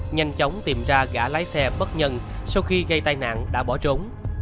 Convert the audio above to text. nhanh chóng tìm ra gã lái xe bất nhân sau khi gây tai nạn đã bỏ trốn